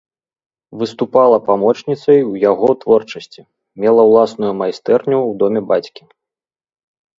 Выступала памочніцай ў яго творчасці, мела ўласную майстэрню ў доме бацькі.